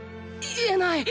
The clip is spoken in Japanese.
言えない！